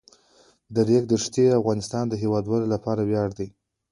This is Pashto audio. د ریګ دښتې د افغانستان د هیوادوالو لپاره ویاړ دی.